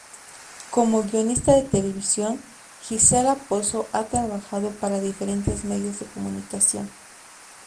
Como guionista de televisión, Gisela Pozo ha trabajado para diferentes medios de comunicación.